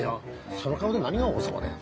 その顔で何が王様だよ